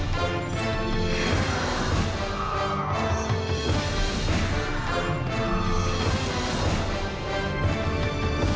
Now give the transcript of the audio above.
โปรดติดตามตอนต่อไป